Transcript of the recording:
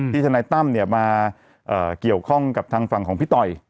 ทนายตั้มมาเกี่ยวข้องกับทางฝั่งของพี่ต่อย